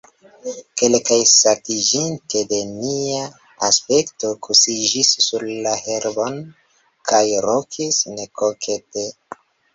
Kelkaj, satiĝinte de nia aspekto, kuŝiĝis sur la herbon kaj ronkis nekokete.